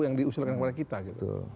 yang diusulkan kepada kita gitu